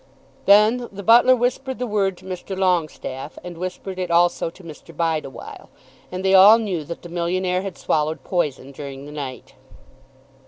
Then the butler whispered the word to Mr. Longestaffe, and whispered it also to Mr. Bideawhile, and they all knew that the millionaire had swallowed poison during the night.